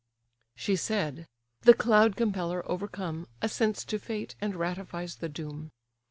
She said: the cloud compeller, overcome, Assents to fate, and ratifies the doom.